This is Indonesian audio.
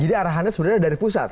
jadi arahannya sebenarnya dari pusat